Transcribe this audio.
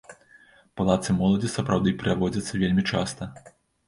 Палацы моладзі сапраўды праводзяцца вельмі часта.